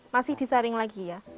masih disaring lagi ya